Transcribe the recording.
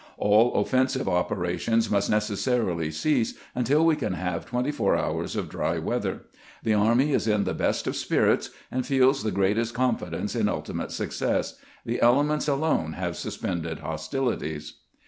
All offensive opera tions must necessarily cease until we can have twenty four hours of dry weather. The army is in the best of spirits, and feels the greatest confidence in ultimate success. ... The elements alone have suspended hostUities."